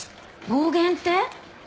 暴言って？